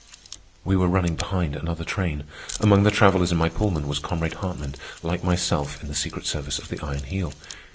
We were running behind another train. Among the travellers in my Pullman was comrade Hartman, like myself in the secret service of the Iron Heel.